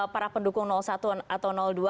para pendukung satu atau dua